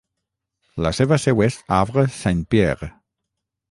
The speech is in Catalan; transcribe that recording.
La seva seu és Havre-Saint-Pierre.